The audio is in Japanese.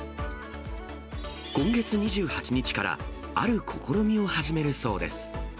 今月２８日からある試みを始めるそうです。